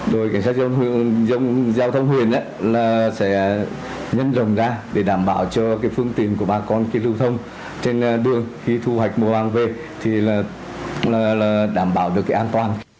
đội cảnh sát giao thông huyện sẽ nhấn rồng ra để đảm bảo cho phương tiện của bà con lưu thông trên đường khi thu hoạch mùa hàng về thì đảm bảo được cái an toàn